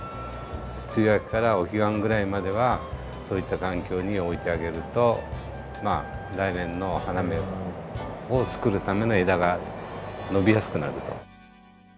梅雨明けからお彼岸ぐらいまではそういった環境に置いてあげると来年の花芽をつくるための枝が伸びやすくなると。